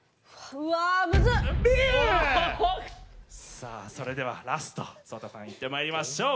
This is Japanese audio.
さあそれではラストＳＯＴＡさんいってまいりましょう。